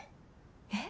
えっ？